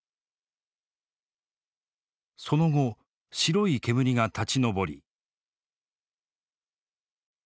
その後白い煙が立ち上り。